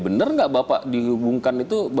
benar nggak bapak dihubungkan itu